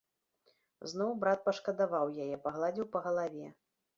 Зноў брат пашкадаваў яе, пагладзіў па галаве.